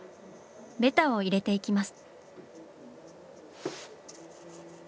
ベタを入れていきます。